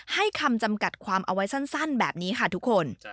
ให้คำจำกัดความเอาไว้สั้นแบบนี้ค่ะทุกคน